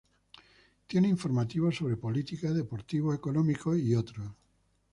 Tiene informativos sobre política, deportivos, económicos y otros.